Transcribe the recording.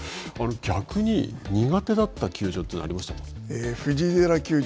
逆に、苦手だった球場というのはありましたか。